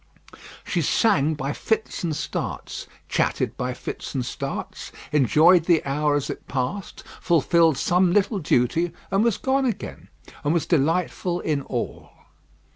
She sang by fits and starts, chatted by fits and starts, enjoyed the hour as it passed, fulfilled some little duty, and was gone again, and was delightful in all.